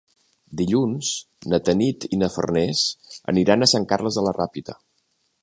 Dilluns na Tanit i na Farners aniran a Sant Carles de la Ràpita.